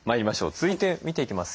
続いて見ていきます